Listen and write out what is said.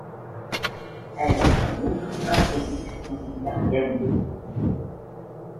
Elle a en outre été introduite dans une serre à Yaoundé.